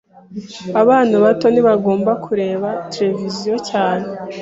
Abana bato ntibagomba kureba televiziyo cyane.